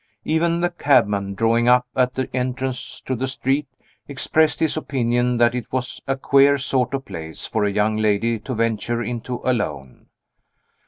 Even the cabman, drawing up at the entrance to the street, expressed his opinion that it was a queer sort of place for a young lady to venture into alone.